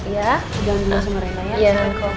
jalan dulu sama rena ya assalamu'alaikum